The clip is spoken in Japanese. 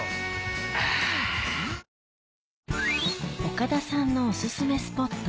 あぁ岡田さんのおすすめスポット